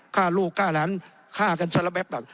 ฆ่าลูกฆ่าหลานฆ่ากันสักละแป๊บ